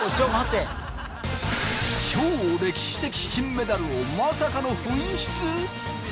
超歴史的金メダルをまさかの紛失？